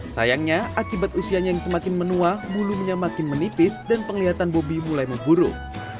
sayangnya akibat usianya yang semakin menua bulunya makin menipis dan penglihatan bobi mulai memburuk